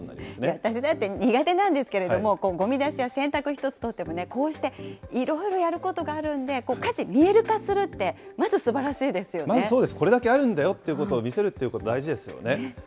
私だって苦手なんですけれども、ごみ出しや洗濯１つとってもね、こうしていろいろやることがあるんで、家事、見える化するっそうです、まず、これだけあるんだよということを見せるということ、大事ですよね。